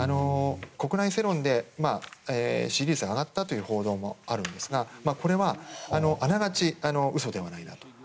国内世論で支持率が上がったという報道もあるんですがこれはあながち嘘ではないなと。